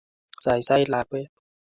Saisai lakwet